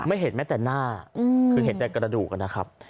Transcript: ไม่เห็นแม้แต่หน้าคือเห็นแต่กระดูกนะครับ